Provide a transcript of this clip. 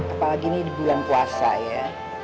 apalagi ini di bulan puasa ya